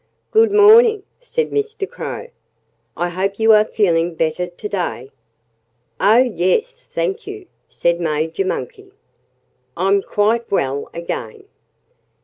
"Good morning!" said Mr. Crow. "I hope you are feeling better to day." "Oh, yes thank you!" said Major Monkey. "I'm quite well again."